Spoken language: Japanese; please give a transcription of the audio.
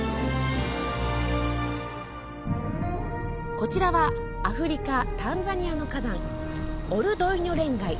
こちらはアフリカ・タンザニアの火山オル・ドイニョ・レンガイ。